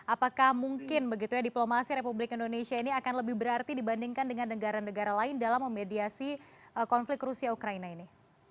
apakah mungkin begitu ya diplomasi republik indonesia ini akan lebih berarti dibandingkan dengan negara negara lain dalam memediasi konflik rusia ukraina ini